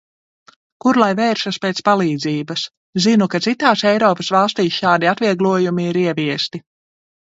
Kur lai vēršas pēc palīdzības. Zinu, ka citās Eiropas valstīs šādi atvieglojumi ir ieviesti.